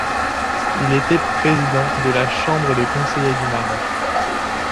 Il était président de la Chambre des conseillers du Maroc.